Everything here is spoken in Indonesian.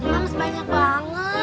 mams banyak banget